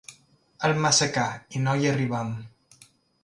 És massa car i no hi arribem.